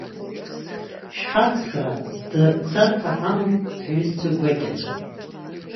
Шәҳацхраа, зда царҭа ҳамам, ҳҩызцәа гәакьацәа!